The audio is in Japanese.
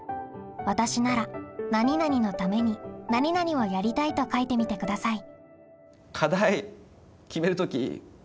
「わたしなら何々のために何々をやりたい」と書いてみてください。